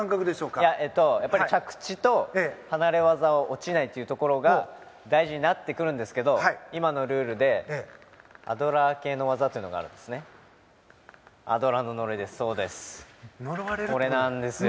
着地と離れ技を落ちないっていうところが大事になってくるんですけど今のルールでアドラー系の技があるんですね。